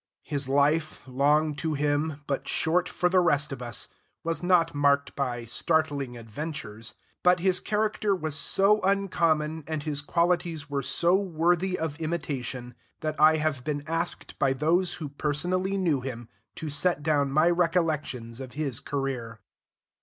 His life, long to him, but short for the rest of us, was not marked by startling adventures, but his character was so uncommon and his qualities were so worthy of imitation, that I have been asked by those who personally knew him to set down my recollections of his career.